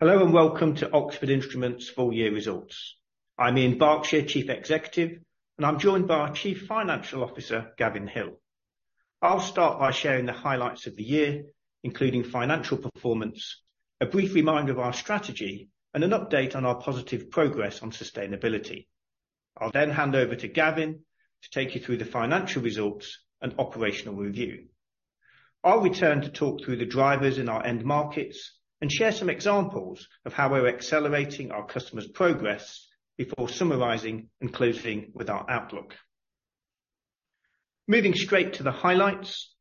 Hello, and welcome to Oxford Instruments full year results. I'm Ian Barkshire, Chief Executive, and I'm joined by our Chief Financial Officer, Gavin Hill. I'll start by sharing the highlights of the year, including financial performance, a brief reminder of our strategy, and an update on our positive progress on sustainability. I'll then hand over to Gavin to take you through the financial results and operational review. I'll return to talk through the drivers in our end markets and share some examples of how we're accelerating our customers' progress before summarizing and closing with our outlook. Moving straight to the highlights,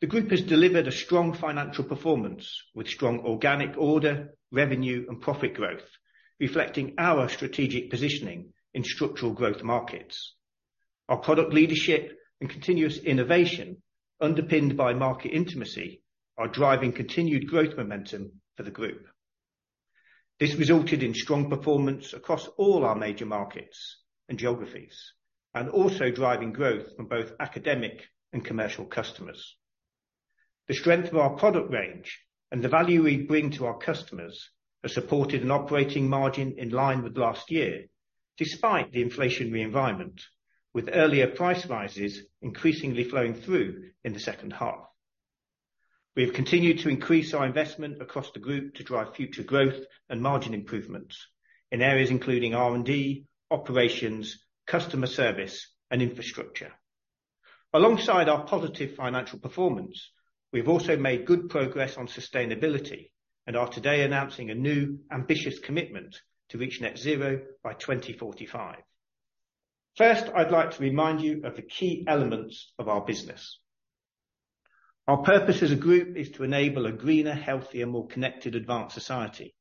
the group has delivered a strong financial performance with strong organic order, revenue, and profit growth, reflecting our strategic positioning in structural growth markets. Our product leadership and continuous innovation, underpinned by market intimacy, are driving continued growth momentum for the group. This resulted in strong performance across all our major markets and geographies, and also driving growth from both academic and commercial customers. The strength of our product range and the value we bring to our customers has supported an operating margin in line with last year, despite the inflationary environment, with earlier price rises increasingly flowing through in the second half. We have continued to increase our investment across the group to drive future growth and margin improvements in areas including R&D, operations, customer service, and infrastructure. Alongside our positive financial performance, we've also made good progress on sustainability and are today announcing a new ambitious commitment to reach net zero by 2045. First, I'd like to remind you of the key elements of our business. Our purpose as a group is to enable a greener, healthier, more connected advanced society.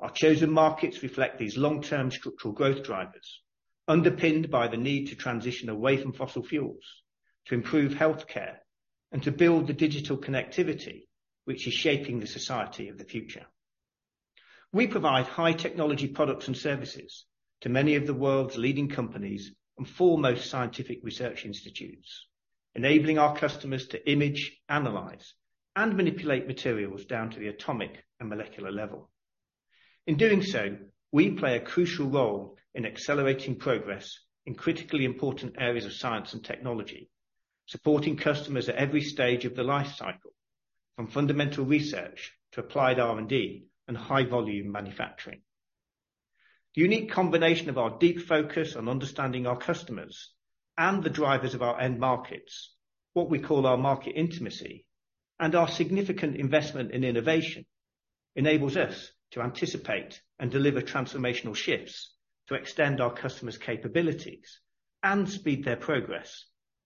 Our chosen markets reflect these long-term structural growth drivers, underpinned by the need to transition away from fossil fuels, to improve healthcare, and to build the digital connectivity, which is shaping the society of the future. We provide high technology products and services to many of the world's leading companies and foremost scientific research institutes, enabling our customers to image, analyze, and manipulate materials down to the atomic and molecular level. In doing so, we play a crucial role in accelerating progress in critically important areas of science and technology, supporting customers at every stage of the life cycle, from fundamental research to applied R&D and high volume manufacturing. The unique combination of our deep focus on understanding our customers and the drivers of our end markets, what we call our market intimacy, and our significant investment in innovation, enables us to anticipate and deliver transformational shifts to extend our customers' capabilities and speed their progress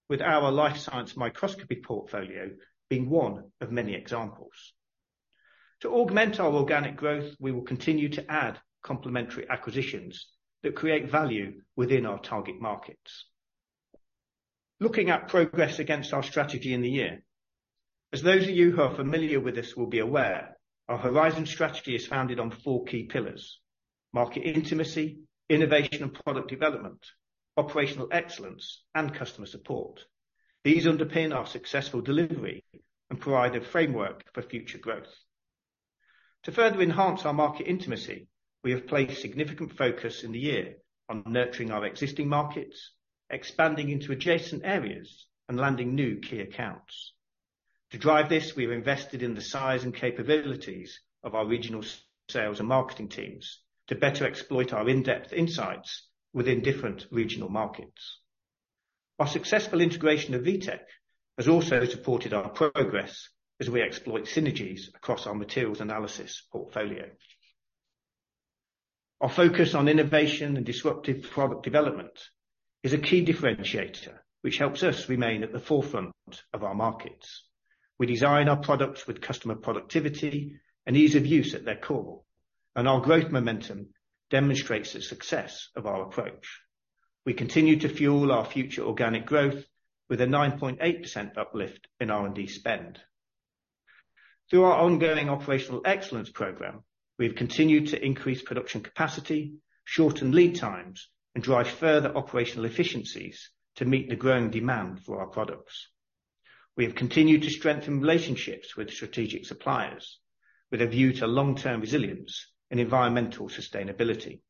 with our life science microscopy portfolio being one of many examples. To augment our organic growth, we will continue to add complementary acquisitions that create value within our target markets. Looking at progress against our strategy in the year. As those of you who are familiar with this will be aware, our Horizon strategy is founded on four key pillars: market intimacy, innovation and product development, operational excellence, and customer support. These underpin our successful delivery and provide a framework for future growth. To further enhance our market intimacy, we have placed significant focus in the year on nurturing our existing markets, expanding into adjacent areas, and landing new key accounts. To drive this, we've invested in the size and capabilities of our regional sales and marketing teams to better exploit our in-depth insights within different regional markets. Our successful integration of WITec has also supported our progress as we exploit synergies across our materials analysis portfolio. Our focus on innovation and disruptive product development is a key differentiator, which helps us remain at the forefront of our markets. We design our products with customer productivity and ease of use at their core, and our growth momentum demonstrates the success of our approach. We continue to fuel our future organic growth with a 9.8% uplift in R&D spend. Through our ongoing operational excellence program, we've continued to increase production capacity, shorten lead times, and drive further operational efficiencies to meet the growing demand for our products. We have continued to strengthen relationships with strategic suppliers, with a view to long-term resilience and environmental sustainability.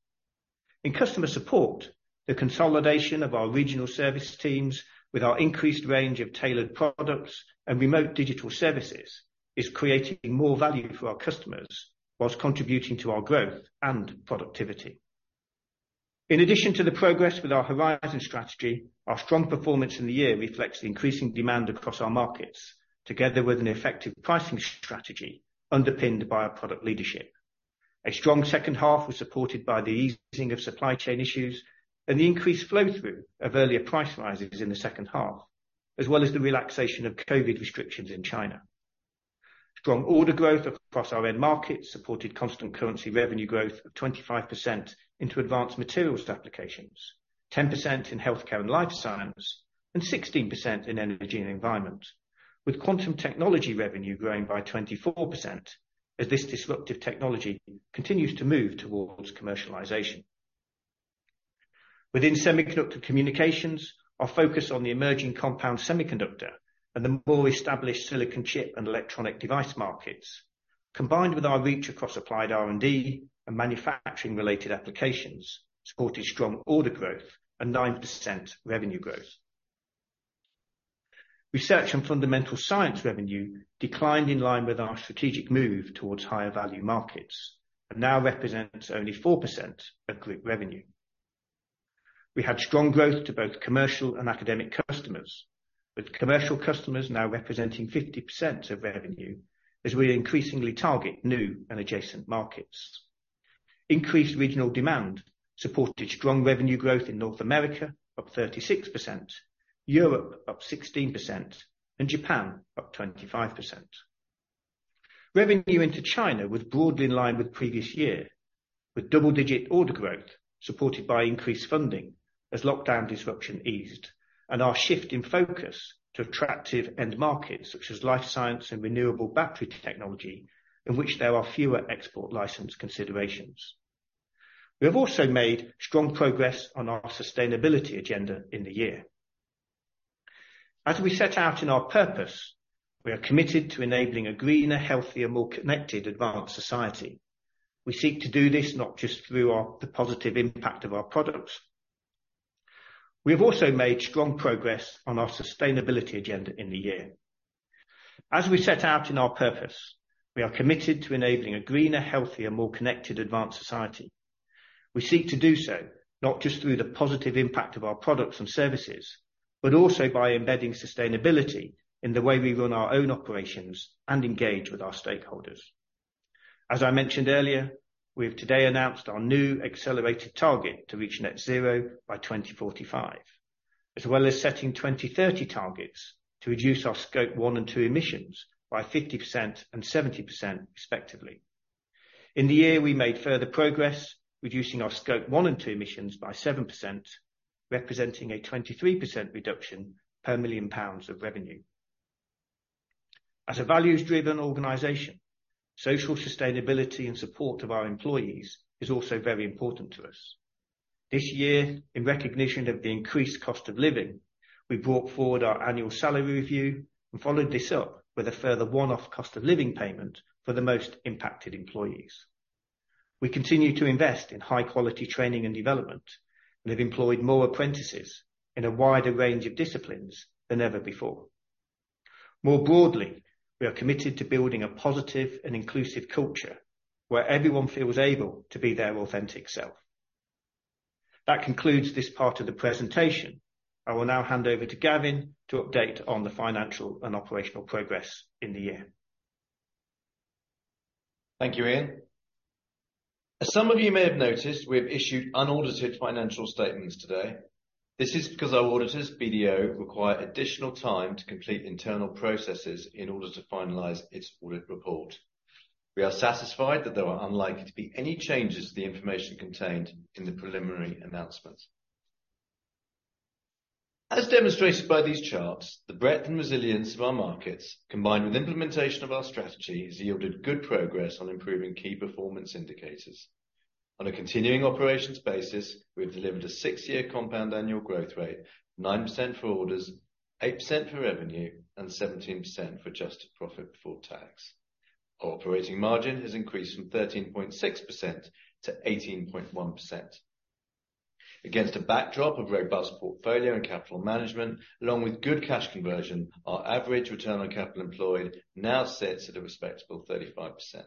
In customer support, the consolidation of our regional service teams with our increased range of tailored products and remote digital services, is creating more value for our customers while contributing to our growth and productivity. In addition to the progress with our Horizon strategy, our strong performance in the year reflects the increasing demand across our markets, together with an effective pricing strategy underpinned by our product leadership. A strong second half was supported by the easing of supply chain issues and the increased flow-through of earlier price rises in the second half, as well as the relaxation of COVID restrictions in China. Strong order growth across our end markets supported constant currency revenue growth of 25% into advanced materials applications, 10% in healthcare and life science, and 16% in energy and environment, with quantum technology revenue growing by 24%, as this disruptive technology continues to move towards commercialization. Within semiconductor communications, our focus on the emerging Compound Semiconductor and the more established silicon chip and electronic device markets, combined with our reach across applied R&D and manufacturing-related applications, supported strong order growth and 9% revenue growth. Research & Discovery revenue declined in line with our strategic move towards higher value markets and now represents only 4% of group revenue. We had strong growth to both commercial and academic customers, with commercial customers now representing 50% of revenue, as we increasingly target new and adjacent markets. Increased regional demand supported strong revenue growth in North America, up 36%, Europe up 16%, and Japan up 25%. Revenue into China was broadly in line with previous year, with double-digit order growth, supported by increased funding as lockdown disruption eased, and our shift in focus to attractive end markets, such as life science and renewable battery technology, in which there are fewer export license considerations. We have also made strong progress on our sustainability agenda in the year. As we set out in our purpose, we are committed to enabling a greener, healthier, more connected, advanced society. We seek to do this not just through the positive impact of our products. We have also made strong progress on our sustainability agenda in the year. As we set out in our purpose, we are committed to enabling a greener, healthier, more connected, advanced society. We seek to do so not just through the positive impact of our products and services, but also by embedding sustainability in the way we run our own operations and engage with our stakeholders. As I mentioned earlier, we have today announced our new accelerated target to reach net zero by 2045, as well as setting 2030 targets to reduce our Scope 1 and 2 emissions by 50% and 70% respectively. In the year, we made further progress, reducing our Scope 1 and 2 emissions by 7%, representing a 23% reduction per million pounds of revenue. As a values-driven organization, social sustainability and support of our employees is also very important to us. This year, in recognition of the increased cost of living, we brought forward our annual salary review and followed this up with a further one-off cost of living payment for the most impacted employees. We continue to invest in high-quality training and development, and have employed more apprentices in a wider range of disciplines than ever before. More broadly, we are committed to building a positive and inclusive culture where everyone feels able to be their authentic self. That concludes this part of the presentation. I will now hand over to Gavin to update on the financial and operational progress in the year. Thank you, Ian. As some of you may have noticed, we have issued unaudited financial statements today. This is because our auditors, BDO, require additional time to complete internal processes in order to finalize its audit report. We are satisfied that there are unlikely to be any changes to the information contained in the preliminary announcement. As demonstrated by these charts, the breadth and resilience of our markets, combined with implementation of our strategy, has yielded good progress on improving key performance indicators. On a continuing operations basis, we have delivered a six-year compound annual growth rate, 9% for orders, 8% for revenue, and 17% for adjusted profit before tax. Our operating margin has increased from 13.6% to 18.1%. Against a backdrop of robust portfolio and capital management, along with good cash conversion, our average return on capital employed now sits at a respectable 35%.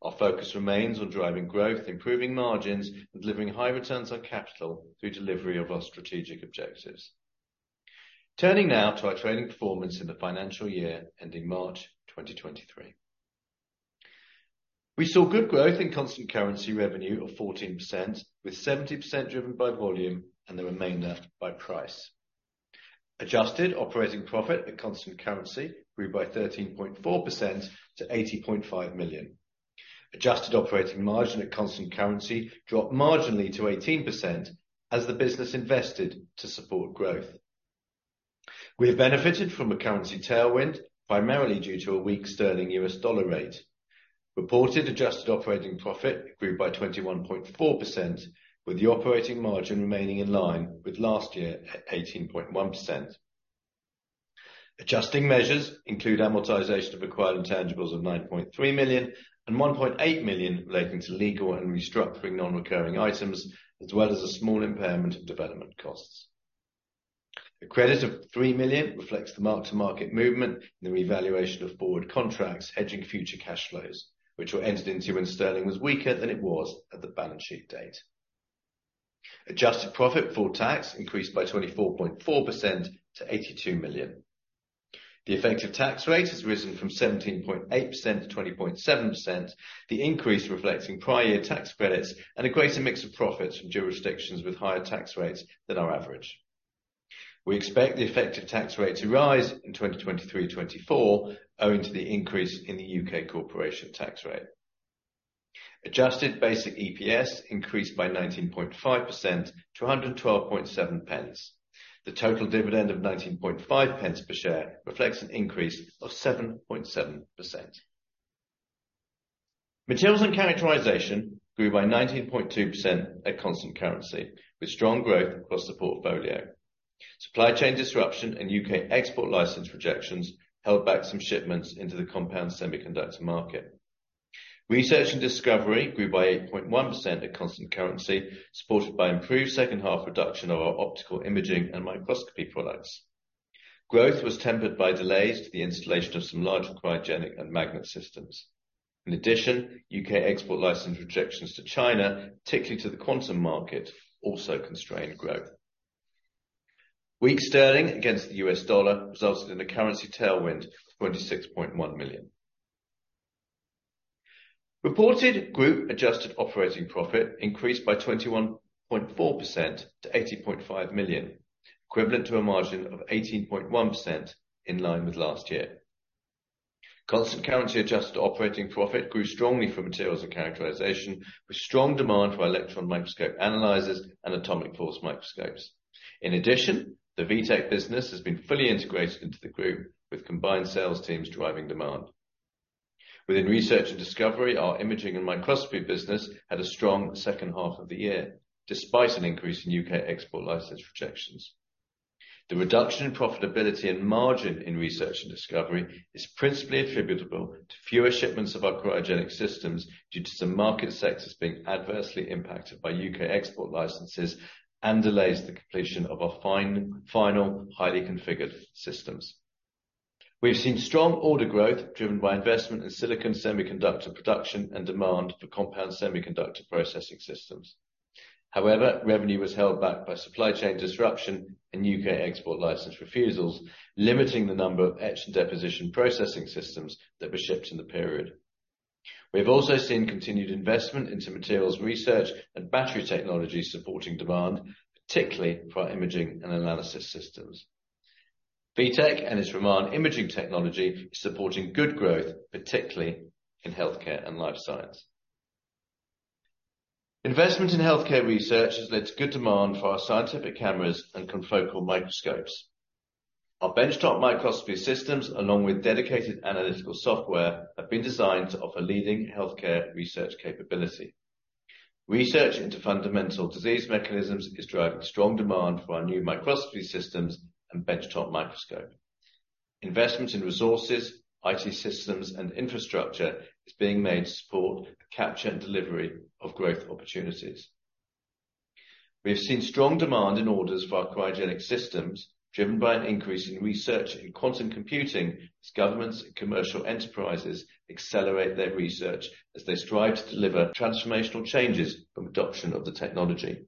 Our focus remains on driving growth, improving margins, and delivering high returns on capital through delivery of our strategic objectives. Turning now to our trading performance in the financial year ending March 2023. We saw good growth in constant currency revenue of 14%, with 70% driven by volume and the remainder by price. Adjusted operating profit at constant currency grew by 13.4% to 80.5 million. Adjusted operating margin at constant currency dropped marginally to 18% as the business invested to support growth. We have benefited from a currency tailwind, primarily due to a weak sterling U.S. dollar rate. Reported adjusted operating profit grew by 21.4%, with the operating margin remaining in line with last year at 18.1%. Adjusting measures include amortization of acquired intangibles of 9.3 and 1.8 million relating to legal and restructuring non-recurring items, as well as a small impairment of development costs. A credit of 3 million reflects the mark-to-market movement and the revaluation of forward contracts, hedging future cash flows, which were entered into when sterling was weaker than it was at the balance sheet date. Adjusted profit before tax increased by 24.4% to 82 million. The effective tax rate has risen from 17.8% to 20.7%, the increase reflecting prior year tax credits and a greater mix of profits from jurisdictions with higher tax rates than our average. We expect the effective tax rate to rise in 2023, 2024, owing to the increase in the U.K. corporation tax rate. Adjusted basic EPS increased by 19.5% to 112.7 pence. The total dividend of 19.5 pence per share reflects an increase of 7.7%. Materials & Characterisation grew by 19.2% at constant currency, with strong growth across the portfolio. Supply chain disruption and U.K. export license rejections held back some shipments into the compound semiconductor market. Research & Discovery grew by 8.1% at constant currency, supported by improved second half reduction of our optical imaging and microscopy products. Growth was tempered by delays to the installation of some large cryogenic and magnet systems. U.K. export license rejections to China, particularly to the quantum market, also constrained growth. Weak sterling against the U.S. dollar resulted in a currency tailwind of 26.1 million. Reported group adjusted operating profit increased by 21.4% to 80.5 million, equivalent to a margin of 18.1% in line with last year. Constant currency adjusted operating profit grew strongly for Materials & Characterisation, with strong demand for electron microscope analyzers and atomic force microscopes. The WITec business has been fully integrated into the group, with combined sales teams driving demand. Within Research & Discovery, our imaging and microscopy business had a strong second half of the year, despite an increase in U.K. export license rejections. The reduction in profitability and margin in Research & Discovery is principally attributable to fewer shipments of our cryogenic systems due to some market sectors being adversely impacted by U.K. export licenses and delays in the completion of our final highly configured systems. We've seen strong order growth driven by investment in silicon semiconductor production and demand for compound semiconductor processing systems. Revenue was held back by supply chain disruption and U.K. export license refusals, limiting the number of etch and deposition processing systems that were shipped in the period. We've also seen continued investment into materials research and battery technology supporting demand, particularly for our imaging and analysis systems. WITec and its Raman imaging technology is supporting good growth, particularly in healthcare and life science. Investment in healthcare research has led to good demand for our scientific cameras and confocal microscopes. Our benchtop microscopy systems, along with dedicated analytical software, have been designed to offer leading healthcare research capability. Research into fundamental disease mechanisms is driving strong demand for our new microscopy systems and benchtop microscope. Investment in resources, IT systems, and infrastructure is being made to support the capture and delivery of growth opportunities. We have seen strong demand in orders for our cryogenic systems, driven by an increase in research in quantum computing as governments and commercial enterprises accelerate their research as they strive to deliver transformational changes from adoption of the technology.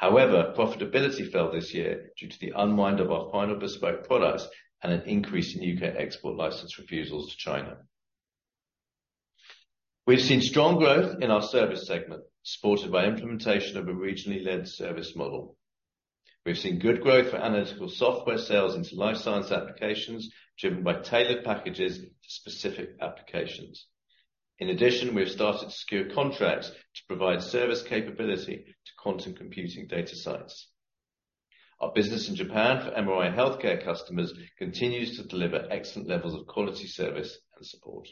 Profitability fell this year due to the unwind of our final bespoke products and an increase in U.K. export license refusals to China. We've seen strong growth in our service segment, supported by implementation of a regionally led service model. We've seen good growth for analytical software sales into life science applications, driven by tailored packages to specific applications. We have started to secure contracts to provide service capability to quantum computing data sites. Our business in Japan for MRI healthcare customers continues to deliver excellent levels of quality, service, and support.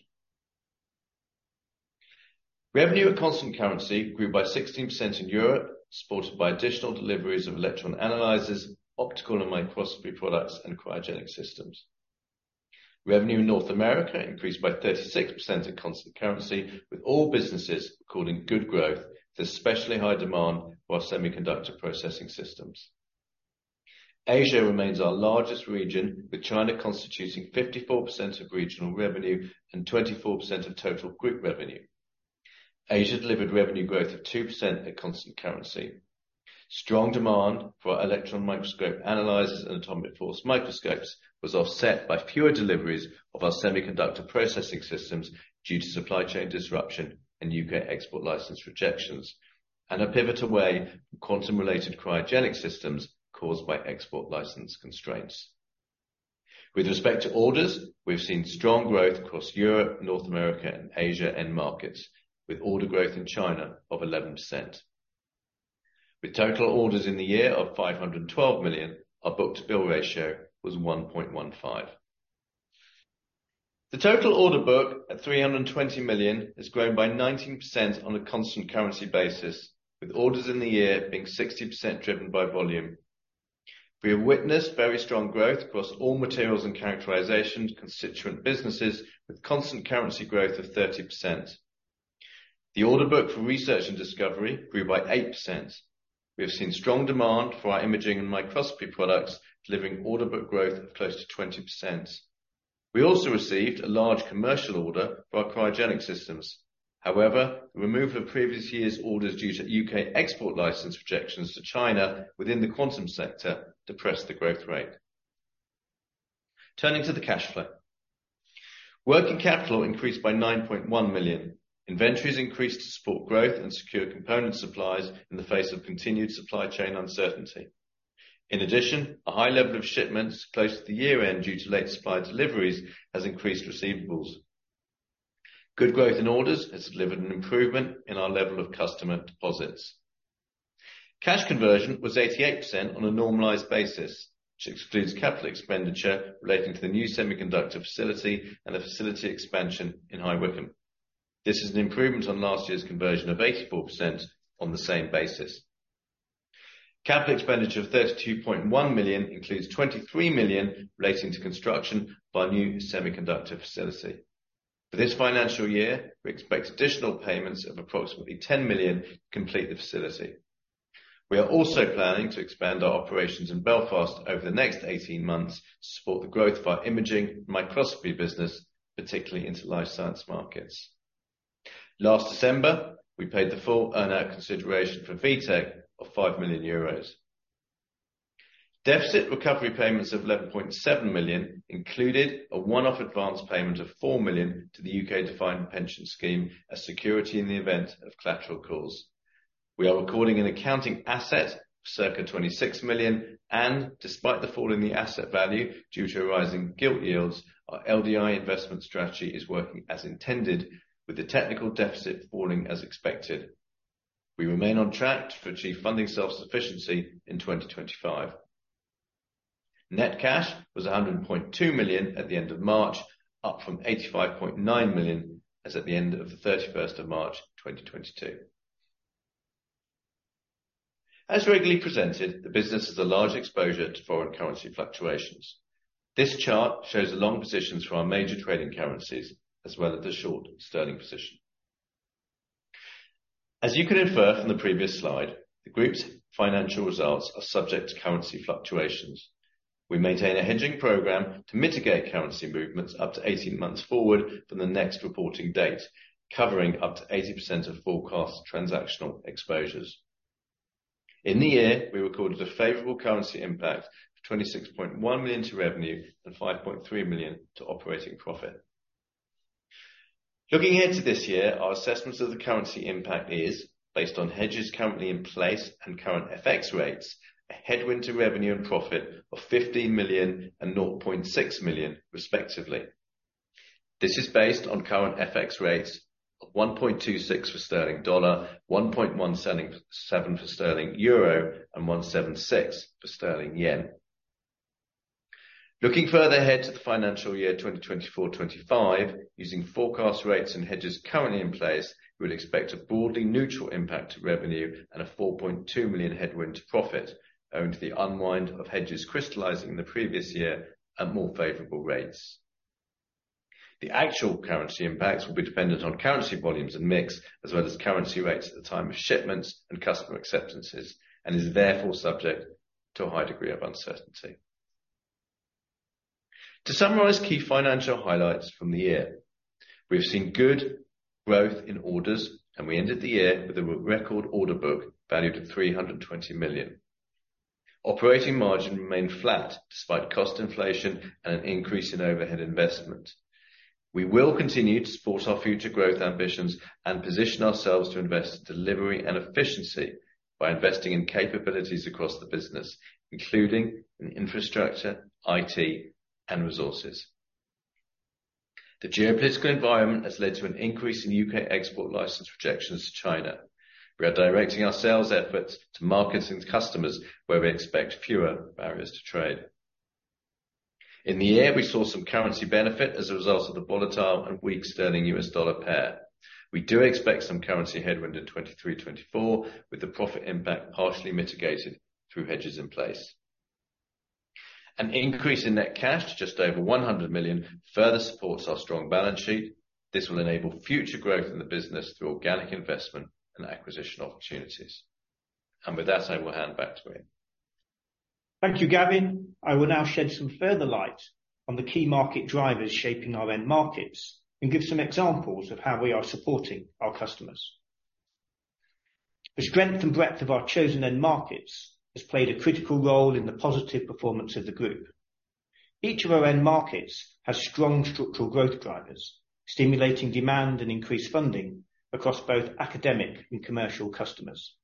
Revenue at constant currency grew by 16% in Europe, supported by additional deliveries of electron analyzers, optical and microscopy products, and cryogenic systems. Revenue in North America increased by 36% in constant currency, with all businesses recording good growth, to especially high demand for our semiconductor processing systems. Asia remains our largest region, with China constituting 54% of regional revenue and 24% of total group revenue. Asia delivered revenue growth of 2% at constant currency. Strong demand for our electron microscope analyzers and atomic force microscopes was offset by fewer deliveries of our semiconductor processing systems due to supply chain disruption and U.K. export license rejections, and a pivot away from quantum-related cryogenic systems caused by export license constraints. With respect to orders, we've seen strong growth across Europe, North America, and Asia end markets, with order growth in China of 11%. With total orders in the year of 512 million, our book-to-bill ratio was 1.15. The total order book at 320 million has grown by 19% on a constant currency basis, with orders in the year being 60% driven by volume. We have witnessed very strong growth across all Materials & Characterization constituent businesses, with constant currency growth of 30%. The order book for Research & Discovery grew by 8%. We have seen strong demand for our imaging and microscopy products, delivering order book growth of close to 20%. We also received a large commercial order for our cryogenic systems. The removal of previous years' orders due to U.K. export license rejections to China within the quantum sector depressed the growth rate. Turning to the cash flow. Working capital increased by 9.1 million. Inventories increased to support growth and secure component supplies in the face of continued supply chain uncertainty. A high level of shipments close to the year-end due to late supplier deliveries has increased receivables. Good growth in orders has delivered an improvement in our level of customer deposits. Cash conversion was 88% on a normalized basis, which excludes capital expenditure relating to the new semiconductor facility and a facility expansion in High Wycombe. This is an improvement on last year's conversion of 84% on the same basis. Capital expenditure of 32.1 includes 23 million relating to construction by new semiconductor facility. For this financial year, we expect additional payments of approximately 10 million to complete the facility. We are also planning to expand our operations in Belfast over the next 18 months to support the growth of our imaging microscopy business, particularly into life science markets. Last December, we paid the full earn-out consideration for WITec of 5 million euros. Deficit recovery payments of 11.7 million included a one-off advance payment of 4 million to the U.K. Defined Benefit Pension Scheme, a security in the event of collateral calls. Despite the fall in the asset value due to rising gilt yields, our LDI investment strategy is working as intended, with the technical deficit falling as expected. We remain on track to achieve funding self-sufficiency in 2025. Net cash was 100.2 at the end of March, up from 85.9 million, as at the end of the 31 March, 2022. As regularly presented, the business has a large exposure to foreign currency fluctuations. This chart shows the long positions for our major trading currencies, as well as the short sterling position. As you can infer from the previous slide, the group's financial results are subject to currency fluctuations. We maintain a hedging program to mitigate currency movements up to 18 months forward from the next reporting date, covering up to 80% of forecast transactional exposures. In the year, we recorded a favorable currency impact of 26.1 to revenue and 5.3 million to operating profit. Looking ahead to this year, our assessment of the currency impact is based on hedges currently in place and current FX rates, a headwind to revenue and profit of 15 and 0.6 million, respectively. This is based on current FX rates of 1.26 for sterling dollar, 1.177 for sterling euro, and 176 for sterling yen. Looking further ahead to the financial year, 2024, 2025, using forecast rates and hedges currently in place, we'd expect a broadly neutral impact to revenue and a 4.2 million headwind to profit, owing to the unwind of hedges crystallizing the previous year at more favorable rates. The actual currency impacts will be dependent on currency volumes and mix, as well as currency rates at the time of shipments and customer acceptances, and is therefore subject to a high degree of uncertainty. To summarize key financial highlights from the year, we've seen good growth in orders, and we ended the year with a record order book valued at 320 million. Operating margin remained flat despite cost inflation and an increase in overhead investment. We will continue to support our future growth ambitions and position ourselves to invest in delivery and efficiency by investing in capabilities across the business, including in infrastructure, IT, and resources. The geopolitical environment has led to an increase in U.K. export license rejections to China. We are directing our sales efforts to markets and customers where we expect fewer barriers to trade. In the year, we saw some currency benefit as a result of the volatile and weak sterling U.S. dollar pair. We do expect some currency headwind in 2023, 2024, with the profit impact partially mitigated through hedges in place. An increase in net cash to just over 100 million further supports our strong balance sheet. This will enable future growth in the business through organic investment and acquisition opportunities. With that, I will hand back to Ian. Thank you, Gavin. I will now shed some further light on the key market drivers shaping our end markets and give some examples of how we are supporting our customers. The strength and breadth of our chosen end markets has played a critical role in the positive performance of the group. Each of our end markets has strong structural growth drivers, stimulating demand and increased funding across both academic and commercial customers.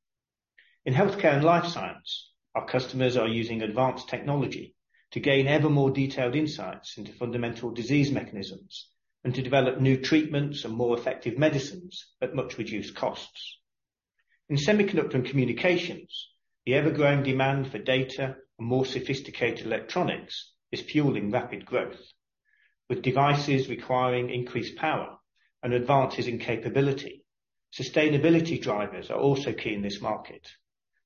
In healthcare and life science, our customers are using advanced technology to gain ever more detailed insights into fundamental disease mechanisms, and to develop new treatments and more effective medicines at much reduced costs. In semiconductor and communications, the ever-growing demand for data and more sophisticated electronics is fueling rapid growth, with devices requiring increased power and advances in capability. Sustainability drivers are also key in this market,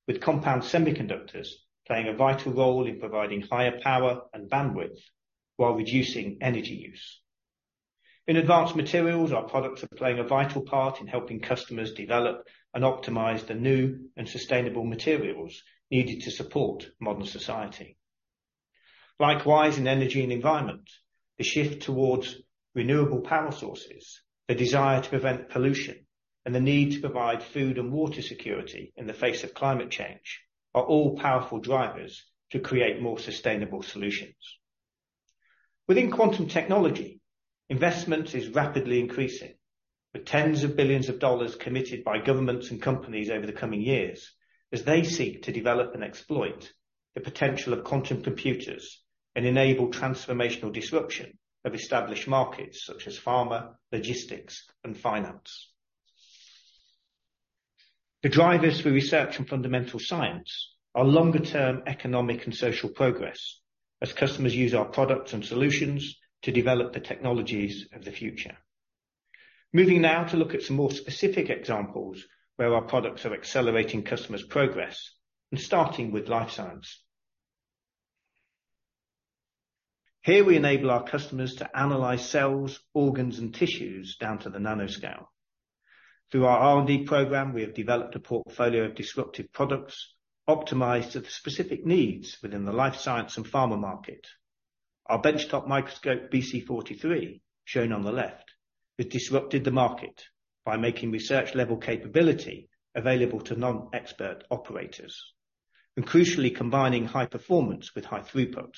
with compound semiconductors playing a vital role in providing higher power and bandwidth while reducing energy use. In advanced materials, our products are playing a vital part in helping customers develop and optimize the new and sustainable materials needed to support modern society. Likewise, in energy and environment, the shift towards renewable power sources, the desire to prevent pollution, and the need to provide food and water security in the face of climate change, are all powerful drivers to create more sustainable solutions. Within quantum technology, investment is rapidly increasing, with tens of billions of dollars committed by governments and companies over the coming years as they seek to develop and exploit- the potential of quantum computers and enable transformational disruption of established markets, such as pharma, logistics, and finance. The drivers for research and fundamental science are longer-term economic and social progress, as customers use our products and solutions to develop the technologies of the future. Moving now to look at some more specific examples where our products are accelerating customers' progress. Starting with life science. Here, we enable our customers to analyze cells, organs, and tissues down to the nanoscale. Through our R&D program, we have developed a portfolio of disruptive products optimized to the specific needs within the life science and pharma market. Our benchtop microscope, BC43, shown on the left, has disrupted the market by making research-level capability available to non-expert operators, and crucially, combining high performance with high throughput,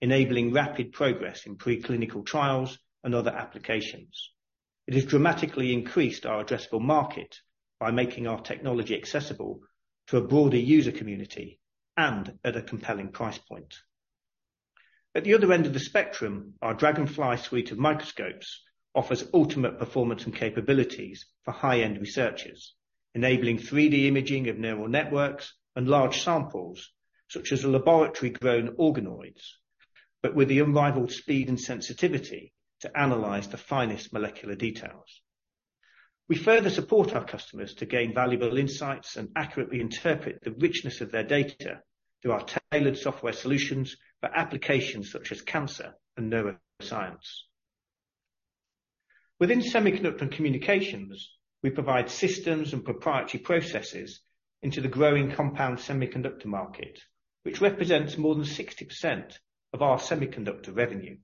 enabling rapid progress in preclinical trials and other applications. It has dramatically increased our addressable market by making our technology accessible to a broader user community and at a compelling price point. At the other end of the spectrum, our Dragonfly suite of microscopes offers ultimate performance and capabilities for high-end researchers, enabling 3D imaging of neural networks and large samples, such as laboratory-grown organoids, but with the unrivaled speed and sensitivity to analyze the finest molecular details. We further support our customers to gain valuable insights and accurately interpret the richness of their data through our tailored software solutions for applications such as cancer and neuroscience. Within semiconductor and communications, we provide systems and proprietary processes into the growing compound semiconductor market, which represents more than 60% of our semiconductor revenue.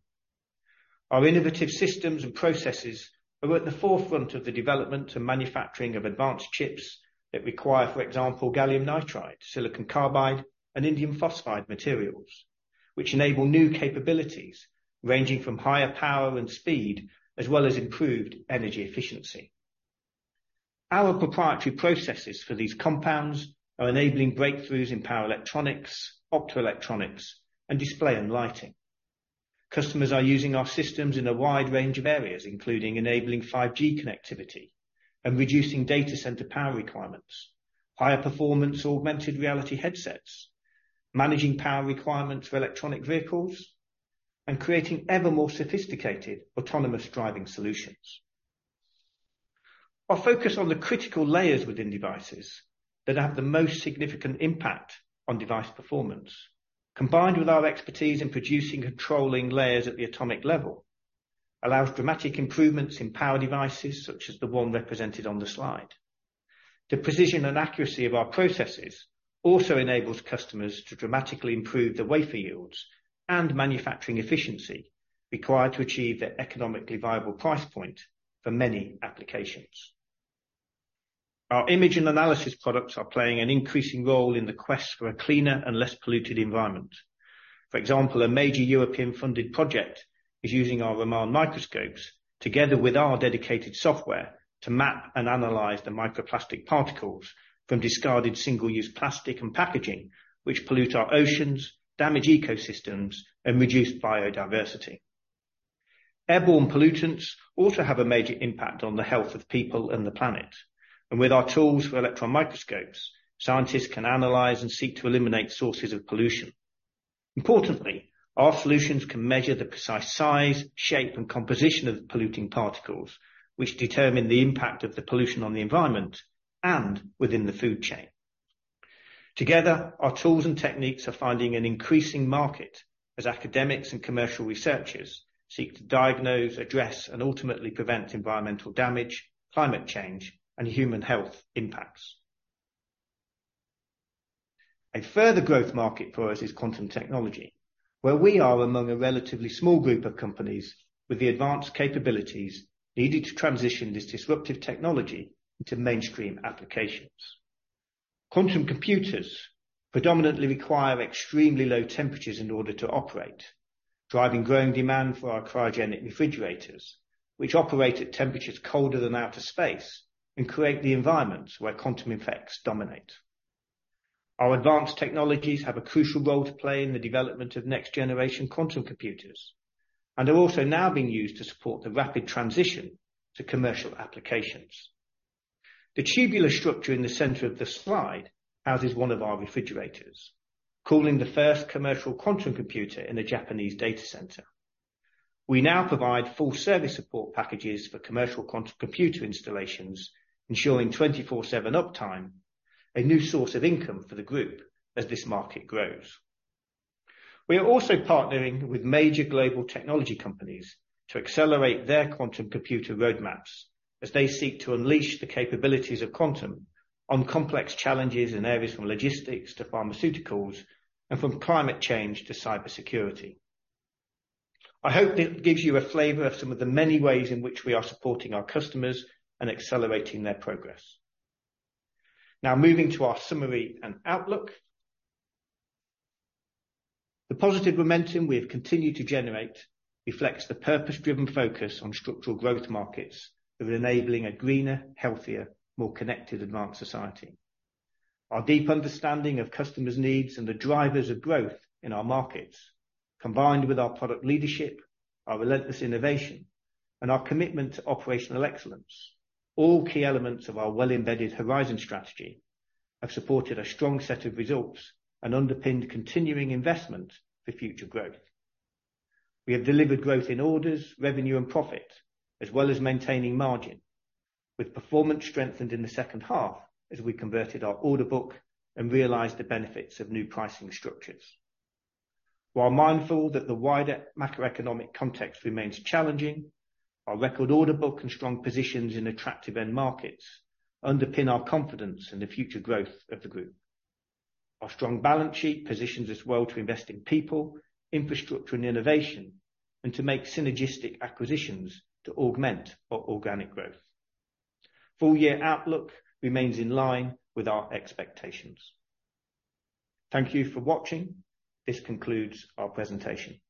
Our innovative systems and processes are at the forefront of the development and manufacturing of advanced chips that require, for example, gallium nitride, silicon carbide, and indium phosphide materials, which enable new capabilities ranging from higher power and speed, as well as improved energy efficiency. Our proprietary processes for these compounds are enabling breakthroughs in power electronics, optoelectronics, and display and lighting. Customers are using our systems in a wide range of areas, including enabling 5G connectivity and reducing data center power requirements, higher performance augmented reality headsets, managing power requirements for electronic vehicles, and creating ever more sophisticated autonomous driving solutions. Our focus on the critical layers within devices that have the most significant impact on device performance, combined with our expertise in producing and controlling layers at the atomic level, allows dramatic improvements in power devices, such as the one represented on the slide. The precision and accuracy of our processes also enables customers to dramatically improve their wafer yields and manufacturing efficiency required to achieve their economically viable price point for many applications. Our image and analysis products are playing an increasing role in the quest for a cleaner and less polluted environment. For example, a major European-funded project is using our Raman microscopes, together with our dedicated software, to map and analyze the microplastic particles from discarded single-use plastic and packaging, which pollute our oceans, damage ecosystems, and reduce biodiversity. With our tools for electron microscopes, scientists can analyze and seek to eliminate sources of pollution. Importantly, our solutions can measure the precise size, shape, and composition of the polluting particles, which determine the impact of the pollution on the environment and within the food chain. Together, our tools and techniques are finding an increasing market as academics and commercial researchers seek to diagnose, address, and ultimately prevent environmental damage, climate change, and human health impacts. A further growth market for us is quantum technology, where we are among a relatively small group of companies with the advanced capabilities needed to transition this disruptive technology into mainstream applications. Quantum computers predominantly require extremely low temperatures in order to operate, driving growing demand for our cryogenic refrigerators, which operate at temperatures colder than outer space and create the environments where quantum effects dominate. Our advanced technologies have a crucial role to play in the development of next generation quantum computers, and are also now being used to support the rapid transition to commercial applications. The tubular structure in the center of the slide, houses one of our refrigerators, cooling the first commercial quantum computer in a Japanese data center. We now provide full service support packages for commercial quantum computer installations, ensuring 24/7 uptime, a new source of income for the group as this market grows. We are also partnering with major global technology companies to accelerate their quantum computer roadmaps as they seek to unleash the capabilities of quantum on complex challenges in areas from logistics to pharmaceuticals and from climate change to cybersecurity. I hope this gives you a flavor of some of the many ways in which we are supporting our customers and accelerating their progress. Moving to our summary and outlook. The positive momentum we have continued to generate reflects the purpose-driven focus on structural growth markets of enabling a greener, healthier, more connected, advanced society. Our deep understanding of customers' needs and the drivers of growth in our markets, combined with our product leadership, our relentless innovation, and our commitment to operational excellence, all key elements of our well-embedded Horizon strategy, have supported a strong set of results and underpinned continuing investment for future growth. We have delivered growth in orders, revenue, and profit, as well as maintaining margin, with performance strengthened in H2 as we converted our order book and realized the benefits of new pricing structures. While mindful that the wider macroeconomic context remains challenging, our record order book and strong positions in attractive end markets underpin our confidence in the future growth of the group. Our strong balance sheet positions us well to invest in people, infrastructure, and innovation, and to make synergistic acquisitions to augment our organic growth. Full year outlook remains in line with our expectations. Thank you for watching. This concludes our presentation.